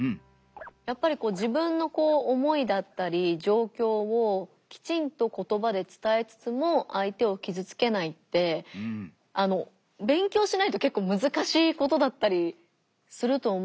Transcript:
やっぱり自分の思いだったり状況をきちんと言葉で伝えつつも相手を傷つけないって勉強しないと結構難しいことだったりすると思うので。